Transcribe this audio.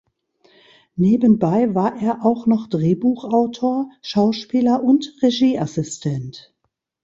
Nebenbei war er auch noch Drehbuchautor, Schauspieler und Regie-Assistent.